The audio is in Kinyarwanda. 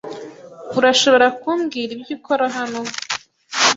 Urashobora kumbwira ibyo ukora hano?